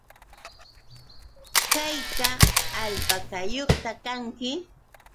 ¿Hayka alpakayuqta kanki?